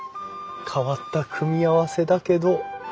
変わった組み合わせだけど。